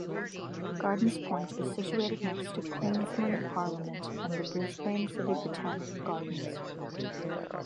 Gardens Point is situated next to Queensland Parliament and the Brisbane City Botanic Gardens.